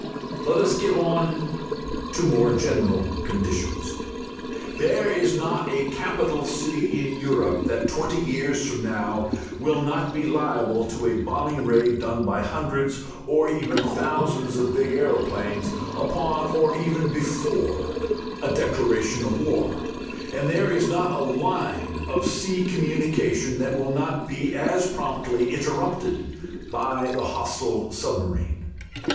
Let us get on to more general conditions. There is not a capital city in Europe that twenty years from now will not be liable to a bombing raid done by hundreds or even thousands of big aeroplanes, upon or even before a declaration of war, and there is not a line of sea communication that will not be as promptly interrupted by the hostile submarine.